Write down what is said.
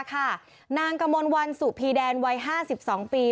ค่ะนางกะมนวันสุพีแดนวัยห้าสิบสองปี